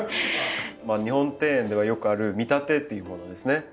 日本庭園ではよくある見立てっていうものですね。